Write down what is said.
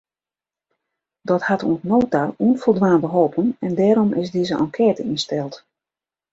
Dat hat oant no ta ûnfoldwaande holpen en dêrom is dizze enkête ynsteld.